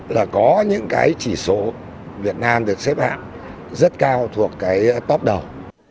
là có những cái chỉ số việt nam được xếp hạng rất cao thuộc cái top đầu